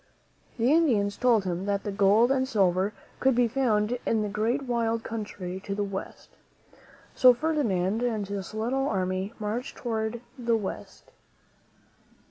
The Indians told him that gold and silver could be found in the great wild country to the West; so Ferdinand and his little army marched toward the West.